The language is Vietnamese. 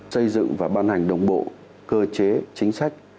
xây dựng và ban hành đồng bộ cơ chế chính sách